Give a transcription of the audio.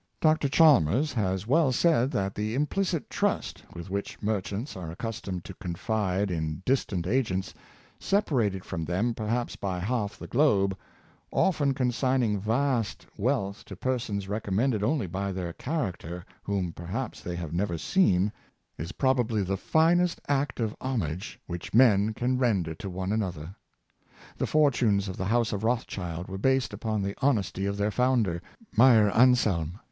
Dr. Chalmers has well said that the implicit trust with which merchants are accustomed to confide in distant agents, separated from them perhaps by half the globe — often consigning vast wealth to persons recommended only by their character, whom perhaps they have never seen — is probably the finest act of homage which men can ren der to one another. The fortunes of the house of Rothschild were based upon the honesty of their founder — Meyer Anslem.